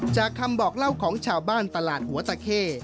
จากคำบอกเล่าของชาวบ้านตลาดหัวตะเข้